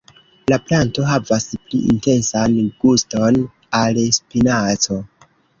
La planto havas pli intensan guston al spinaco.